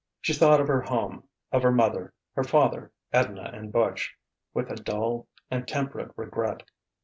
She thought of her home, of her mother, her father, Edna and Butch, with a dull and temperate regret.